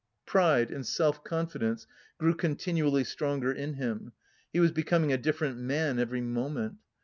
Pride and self confidence grew continually stronger in him; he was becoming a different man every moment.